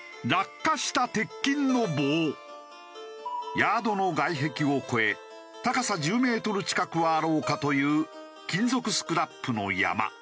ヤードの外壁を越え高さ１０メートル近くはあろうかという金属スクラップの山。